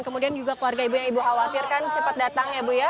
kemudian juga keluarga ibu yang ibu khawatirkan cepat datang ya bu ya